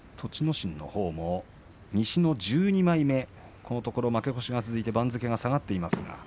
心も西の１２枚目このところ負け越しが続いて番付が下がっています。